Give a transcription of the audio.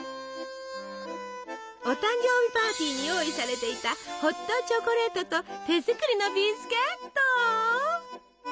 お誕生日パーティーに用意されていたホットチョコレートと手作りのビスケット。